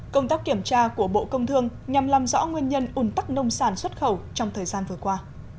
công tác kiểm tra của bộ công thương nhằm làm rõ nguyên nhân ủn tắc nông sản xuất khẩu trong thời gian vừa qua